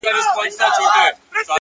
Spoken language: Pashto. پوهه د انسان ځواک زیاتوي!.